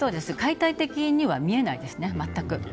解体的には見えないですね、全く。